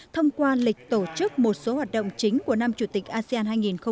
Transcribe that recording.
thông qua lịch tổ chức một số hoạt động chính của năm chủ tịch asean hai nghìn hai mươi